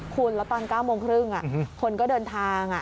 คุณแล้วตอน๙โมงครึ่งคนก็เดินทาง